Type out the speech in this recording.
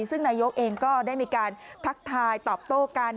ซึ่งนายกเองก็ได้มีการทักทายตอบโต้กัน